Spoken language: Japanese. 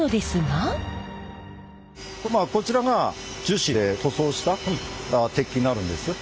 こちらが樹脂で塗装した鉄器になるんです。